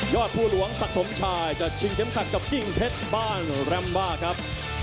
ยอดผู้หลวงสักสมชายจะชิงเข็มขัดกับกิ่งเท็ดบ้านลำบ้าครับ